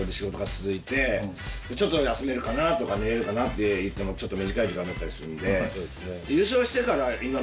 ちょっと休めるかなとか寝れるかなといってもちょっと短い時間だったりするので。